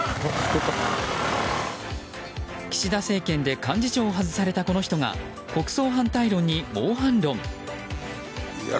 岸田政権で幹事長を外されたこの人が国葬反対論に猛反論。